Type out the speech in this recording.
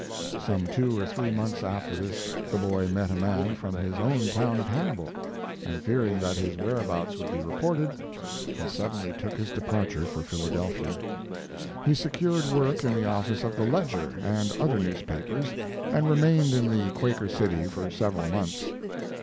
Some two or three months after this the boy met a man from his own town of Hannibal, and fearing that his whereabouts would be reported, he His Life and Work. 29 suddenly took his departure for Philadel phia. He secured work in the office of the Ledger and other newspapers, and remained in the Quaker city for several months.